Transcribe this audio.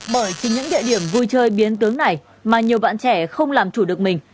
bởi chỉ những địa điểm vui chơi biến tướng này mà nhiều bạn trẻ không làm chủ được mình